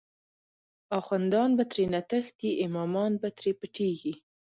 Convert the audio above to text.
اخوندان به ترینه تښتی، امامان به تری پټیږی